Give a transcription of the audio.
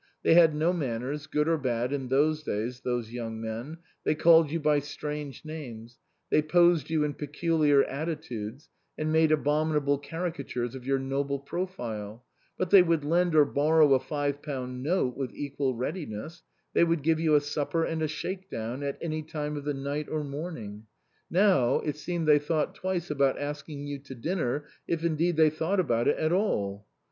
They had no manners, good or bad, in those days, those young men ; they called you by strange names ; they posed you in peculiar attitudes and made abominable caricatures of your noble profile ; but they would lend or borrow a five pound note with equal readiness ; they would give you a supper and a shake down at any time of the night or morn ing. Now, it seemed they thought twice about asking you to dinner, if indeed they thought about it at all.